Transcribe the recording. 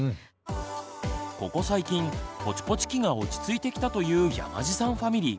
ここ最近ぽちぽち期が落ち着いてきたという山地さんファミリー。